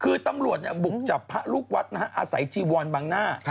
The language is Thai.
คือตำรวจบุกจับพระลูกวัดนะฮะอาศัยจีวอนบังหน้า